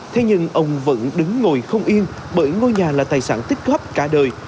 thế nhưng ông vẫn đứng ngồi không yên bởi ngôi nhà là tài sản tích góp cả đời